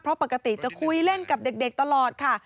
เพราะปกติจะคุยเล่นกับเด็กตลอดค่ะ